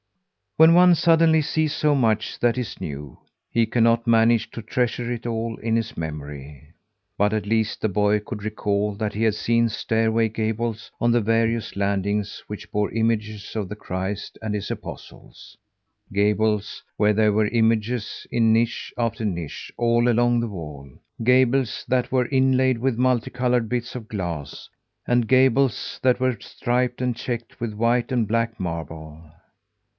When one suddenly sees so much that is new, he cannot manage to treasure it all in his memory. But at least the boy could recall that he had seen stairway gables on the various landings, which bore images of the Christ and his Apostles; gables, where there were images in niche after niche all along the wall; gables that were inlaid with multi coloured bits of glass, and gables that were striped and checked with white and black marble.